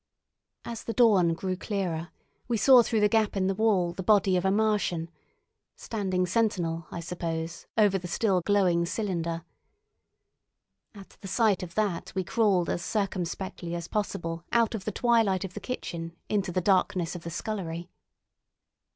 As the dawn grew clearer, we saw through the gap in the wall the body of a Martian, standing sentinel, I suppose, over the still glowing cylinder. At the sight of that we crawled as circumspectly as possible out of the twilight of the kitchen into the darkness of the scullery.